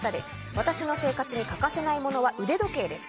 私の生活に欠かせないものは腕時計です。